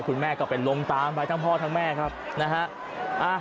คุณแม่ก็เป็นลมตามไปทั้งพ่อทั้งแม่ครับนะฮะ